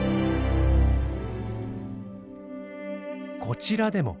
こちらでも。